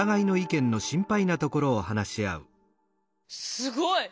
すごい。